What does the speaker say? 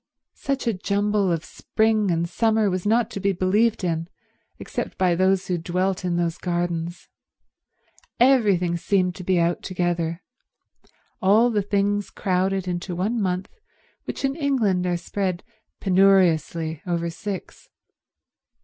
Such a jumble of spring and summer was not to be believed in, except by those who dwelt in those gardens. Everything seemed to be out together—all the things crowded into one month which in England are spread penuriously over six.